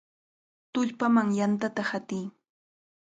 ¡Tullpaman yantata hatiy!